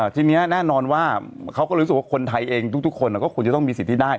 ทีนี้แน่นอนว่าเขาก็เลยรู้สึกว่าคนไทยเองทุกคนก็ควรจะต้องมีสิทธิ์ที่ได้